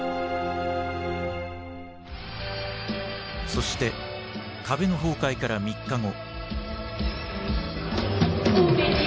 そして壁の崩壊から３日後。